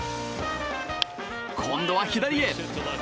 今度は左へ！